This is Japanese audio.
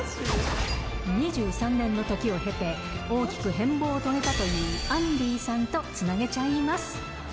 ２３年の時を経て、大きく変貌を遂げたというアンディーさんとつなげちゃいます。